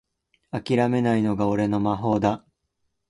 あきらめないのが俺の魔法だ